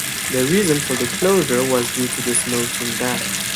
The reason for the closure was due to the smoking ban.